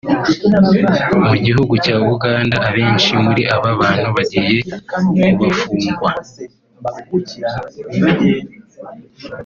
mu gihugu cya Uganda abenshi muri aba bantu bagiye bagafungwa